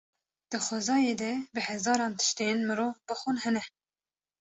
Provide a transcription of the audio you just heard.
Di xwezayê de bi hezaran tiştên mirov bixwin hene.